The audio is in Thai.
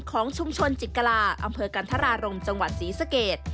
ของชุมชนจิตกลาอำเภอกันธรารมจังหวัดศรีสเกต